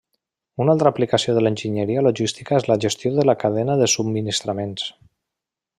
Una altra aplicació de l'enginyeria logística és la gestió de la cadena de subministraments.